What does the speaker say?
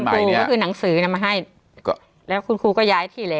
ใหม่เนี้ยคือหนังสือน่ะมาให้ก็แล้วคุณครูก็ย้ายที่แล้ว